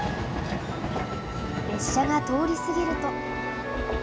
列車が通り過ぎると。